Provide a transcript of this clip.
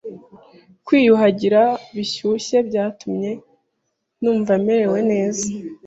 Kwiyuhagira bishyushye byatumye numva merewe neza.